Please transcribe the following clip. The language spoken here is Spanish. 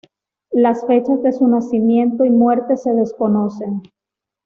Las fechas de su nacimiento y muerte se desconocen.